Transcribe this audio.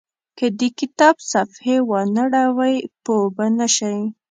که د کتاب صفحې وانه ړوئ پوه به نه شئ.